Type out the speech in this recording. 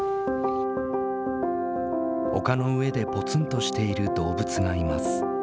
丘の上でぽつんとしている動物がいます。